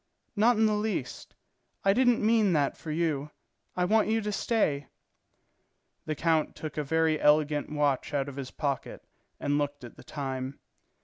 "Not in the least. I didn't mean that for you. I want you to stay." The count took a very elegant watch out of his pocket and looked at the time.